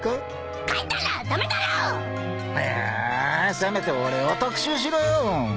せめて俺を特集しろよ。